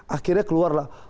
akhirnya keluar lah